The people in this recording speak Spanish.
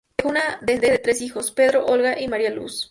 Dejó una descendencia de tres hijos: Pedro, Olga, y María Luz.